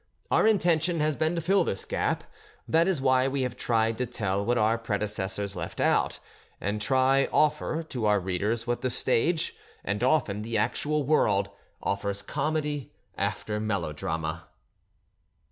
Our intention has been to fill this gap; that is why we have tried to tell what our predecessors left out, and try offer to our readers what the stage—and often the actual world—offers; comedy after melodrama.